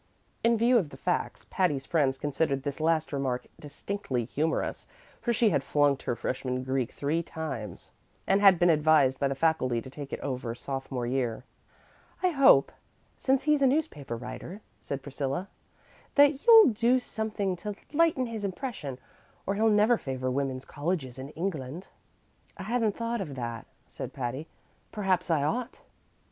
In view of the facts, Patty's friends considered this last remark distinctly humorous, for she had flunked her freshman Greek three times, and had been advised by the faculty to take it over sophomore year. "I hope, since he's a newspaper writer," said Priscilla, "that you'll do something to lighten his impression, or he'll never favor women's colleges in England." "I hadn't thought of that," said Patty; "perhaps I ought."